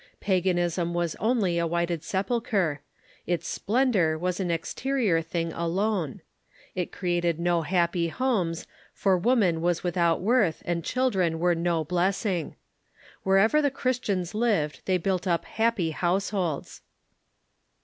Paganism was only a whited sepulchre. Its splendor was an exterior thing alone. It created no happy homes, for woman was without worth, and children were no blessing. Wherever the Christians lived they built up happy households.